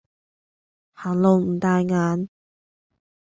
行路唔帶眼